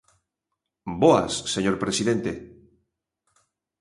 Boas, señor presidente.